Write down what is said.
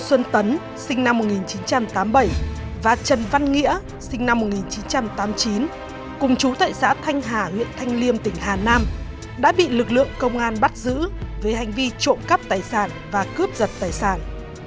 nguyễn xuân tấn sinh năm một nghìn chín trăm tám mươi bảy và trần văn nghĩa sinh năm một nghìn chín trăm tám mươi chín cùng chú tại xã thanh hà huyện thanh liêm tỉnh hà nam đã bị lực lượng công an bắt giữ về hành vi trộm cắp tài sản và cướp giật tài sản